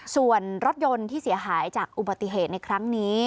ส่วนรถยนต์ที่เสียหายจากอุบัติเหตุในครั้งนี้